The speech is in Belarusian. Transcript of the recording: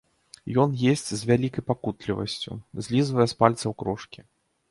Ён есць з вялікай пакутлівасцю, злізвае з пальцаў крошкі.